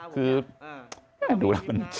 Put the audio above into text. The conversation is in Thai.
คือไม่รู้นะ